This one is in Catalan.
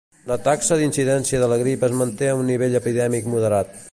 La taxa d'incidència de la grip es manté en un nivell epidèmic moderat.